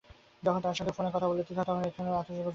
যখন তাঁর সঙ্গে ফোনে কথা বলছিলাম তখন এখানে চলছিল আতশবাজির মহড়া।